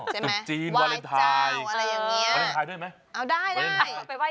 ใช่ไหมตรุษจีนวาเลนไทยไหว้จ้าวอะไรแบบเงี้ย